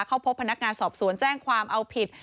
เข้าพบพนักงานสอบสวนแจ้งความเอาผิด